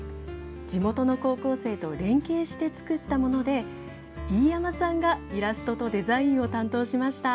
地元の高校生と連携して作ったもので飯山さんがイラストとデザインを担当しました。